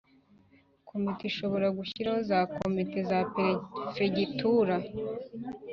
Komite ishobora gushyiraho za Komite za Perefegitura